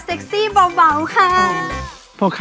เซ็คซี่เบาค่ะ